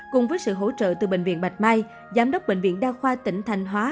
cùng với sự hỗ trợ từ bệnh viện bạch mai giám đốc bệnh viện đa khoa tỉnh thanh hóa